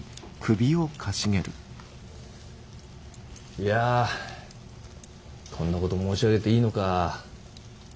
いやこんなこと申し上げていいのか。